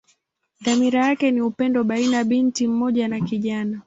Dhamira yake ni upendo baina binti mmoja na kijana.